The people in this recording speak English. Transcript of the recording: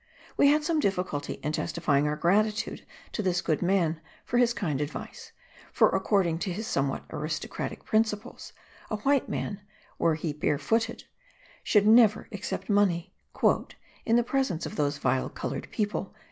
We had some difficulty in testifying our gratitude to this good man for his kind advice; for according to his somewhat aristocratic principles, a white man, were he bare footed, should never accept money "in the presence of those vile coloured people!"